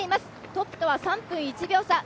トップとは３分１秒差。